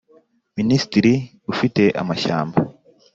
Minisitiri ufite amashyamba